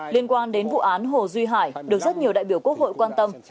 liên quan đến vụ án hồ duy hải được rất nhiều đại biểu quốc hội quan tâm